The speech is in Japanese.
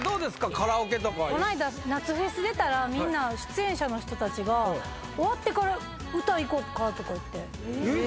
カラオケとかはこの間夏フェス出たらみんな出演者の人たちが終わってから歌行こっかとかいってえっ？